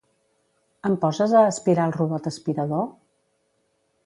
Em poses a aspirar el robot aspirador?